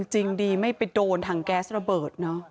จริงดีไม่ไปโดนถังแก๊สระเบิดเนอะ